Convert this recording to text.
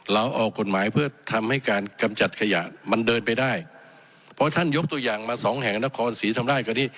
ออกกฎหมายเพื่อทำให้การกำจัดขยะมันเดินไปได้เพราะท่านยกตัวอย่างมาสองแห่งนครศรีธรรมราชกว่านี้